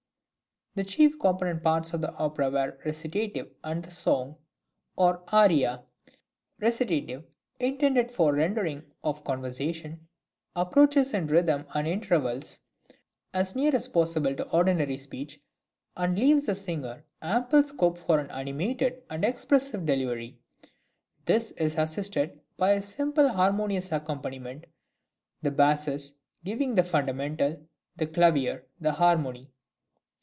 The chief component parts of the opera were the recitative and the song, or aria. Recitative, intended for the rendering of conversation, approaches in rhythm and intervals as near as possible to ordinary speech, and leaves the singer ample scope for an animated and expressive delivery. This is assisted by a simple harmonious accompaniment, the basses giving the fundamental, the clavier the harmony.